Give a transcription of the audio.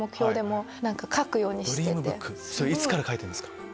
いつから書いてるんですか？